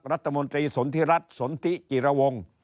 รัฐมนตรีสนทิรัฐสนทิจิระวง